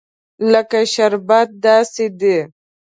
لکه شربت داسې دي.